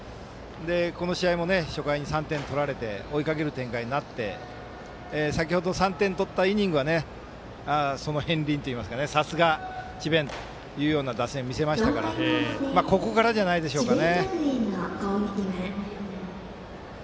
この試合も初回に３点取られて追いかける展開になって先ほど３点取ったイニングはその片りんといいますかさすが、智弁というような打線を見せましたからここからじゃないでしょうかね。